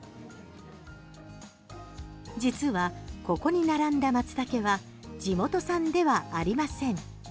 実はここに並んだマツタケは地元産ではありません。